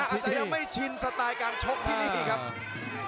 อาจจะยังไม่ชินสไตล์การชกที่นี่ครับ